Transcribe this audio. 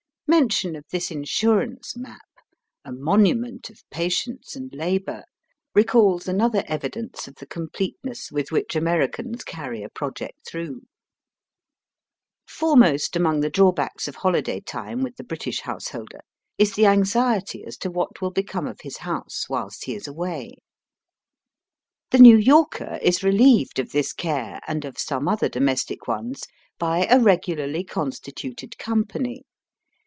Mention of this insurance map, a monu ment of patience and labour, recalls another evidence of the completejiess with which Americans carry a project through. Fore most among the drawbacks of holiday time Digitized by VjOOQIC NEW YOBK CITY. 31 with the British householder is the anxiety as to what will become of his house whilst he is away. The New Yorker is relieved of this care and of some other domestic ones by a regularly constituted company.